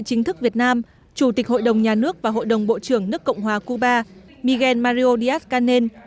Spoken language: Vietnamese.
chủ tịch hội đồng nhà nước và hội đồng bộ trưởng nước cộng hòa cuba miguel mario díaz canel